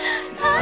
あ！